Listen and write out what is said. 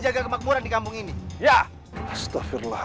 jangan menyelegah mak fair